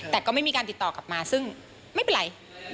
แต่ก็ไม่มีการติดต่อกลับมาซึ่งไม่เป็นไร